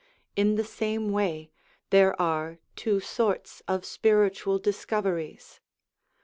In the same way, there are two sorts of spiritual discoveries.